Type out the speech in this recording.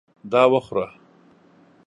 دا وخوره !